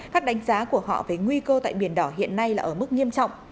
các đánh giá của họ về nguy cơ tại biển đỏ hiện nay là ở mức nghiêm trọng